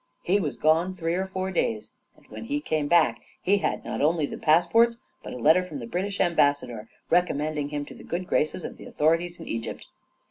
He was gone three or four days, and when he came back, he had not only the pass ports, but a letter from the British ambassador, recommending him to the good graces of the authori ties in Egypt.